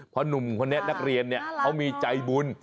เพราะหนุ่มคนนี้นักเรียนเขามีใจบุญ